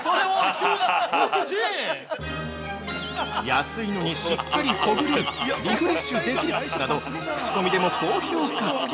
◆「安いのにしっかりほぐれる」「リフレッシュできる」など口コミでも高評価！